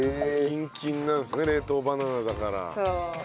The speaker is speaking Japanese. キンキンなんですね冷凍バナナだから。